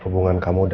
hubungan kamu udah